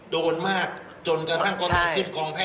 โดนมากจนกระทั่งเขาต้องขึ้นกองแพทย์มาก